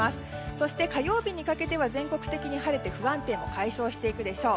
そして火曜日にかけては全国的に晴れて不安定も解消していくでしょう。